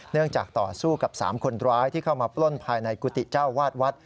จากต่อสู้กับ๓คนร้ายที่เข้ามาปล้นภายในกุฏิเจ้าวาดวัด